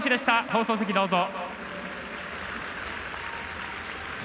放送席どうぞ。